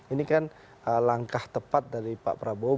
ini kan langkah tepat dari pak prabowo